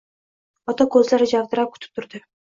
Ota ko`zlari javdirab kutib turdi